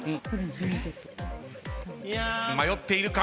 迷っているか？